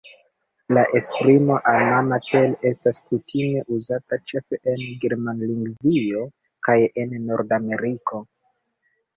La esprimo "Alma mater" estas kutime uzata ĉefe en Germanlingvio kaj en Nordameriko.